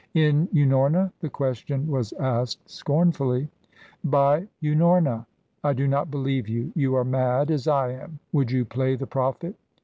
"In Unorna?" the question was asked scornfully. "By Unorna." "I do not believe you. You are mad, as I am. Would you play the prophet?"